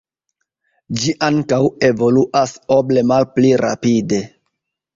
Ĝi ankaŭ evoluas oble malpli rapide.